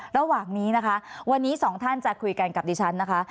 ระหว่างนี้นะคะวันนี้สองท่านจะคุยกันกับดิฉันนะคะ